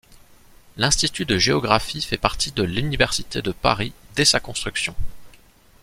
L’institut de Géographie fait partie de l’université de Paris dès sa construction.